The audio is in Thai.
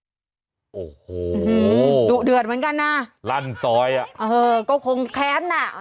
หูหูหูหูหูโดดเหมือนกันอ่าลั่นซ้อยอ่ะอ่าเหอะก็คงแคร์นอ่าอ่า